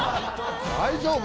大丈夫？